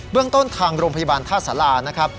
เรื่องต้นทางโรงพยาบาลท่าสารา